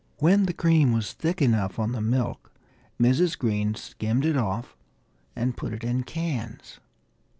When the cream was thick enough on the milk Mrs. Green skimmed it off and put it in cans.